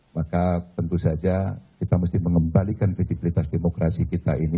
maka tentu saja kita mesti mengembalikan kredibilitas demokrasi kita ini